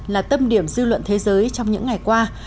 là tâm điểm dư luận thế giới trong những ngày qua